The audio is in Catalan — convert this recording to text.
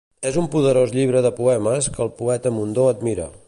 És un poderós llibre de poemes que el poeta Mundó admira.